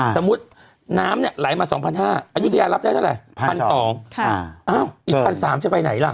น้ำเนี่ยไหลมา๒๕๐๐อายุทยารับได้เท่าไหร่๑๒๐๐บาทอีก๑๓๐๐จะไปไหนล่ะ